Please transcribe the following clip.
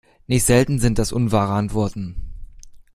Nicht selten sind das unwahre Antworten.